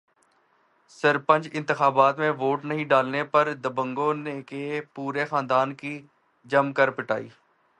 سرپنچ انتخابات میں ووٹ نہیں ڈالنے پر دبنگوں نے کی پورے خاندان کی جم کر پٹائی